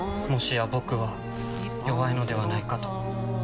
もしや僕は弱いのではないかと。